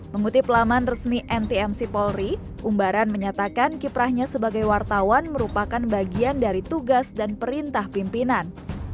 mengutip laman resmi ntmc polri umbaran menyatakan kiprahnya sebagai wartawan merupakan bagian dari tugas dan perintah pimpinan